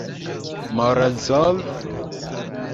Morozov?